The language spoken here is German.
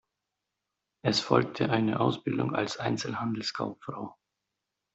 Es folgte eine Ausbildung als Einzelhandelskauffrau.